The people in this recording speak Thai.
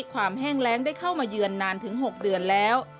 แห้งแรงได้เข้ามาเยือนนานถึง๖เดือนแล้ว